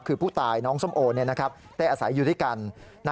คือผู้ตายน้องสมโอนะครับแตะอาศัยอยู่ด้วยกัน